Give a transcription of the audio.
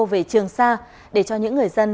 về trường xa để cho những người dân